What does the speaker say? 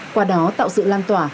qua đó tạo sự lan tỏa